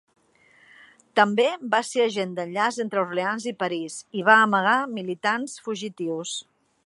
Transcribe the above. També va ser agent d'enllaç entre Orleans i París i va amagar militants fugitius.